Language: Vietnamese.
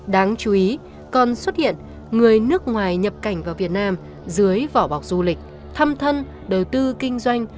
đáng chú ý còn xuất hiện người nước ngoài nhập cảnh vào việt nam dưới vỏ bọc du lịch thăm thân đời tư kinh doanh